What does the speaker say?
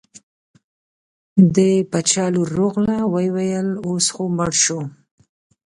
د باچا لور راغله وویل اوس خو مړ شو.